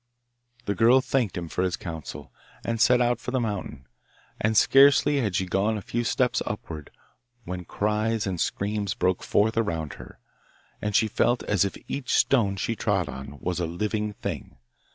The girl thanked him for his counsel, and set out for the mountain; and scarcely had she gone a few steps upwards when cries and screams broke forth around her, and she felt as if each stone she trod on was a living thing.